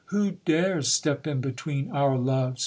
Who dares step in between our loves